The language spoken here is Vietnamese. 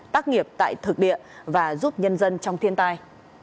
tác nghiệp tại thực địa và giúp nhân dân trong thiên tai